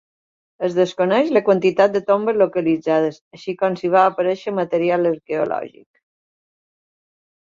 Es desconeix la quantitat de tombes localitzades així com si va aparèixer material arqueològic.